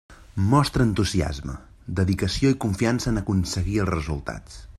Mostra entusiasme, dedicació i confiança en aconseguir els resultats.